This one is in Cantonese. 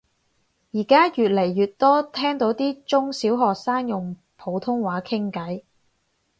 而家越嚟越多聽到啲中小學生用普通話傾偈